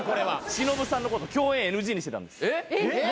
忍さんのこと共演ＮＧにしてたんです。え！？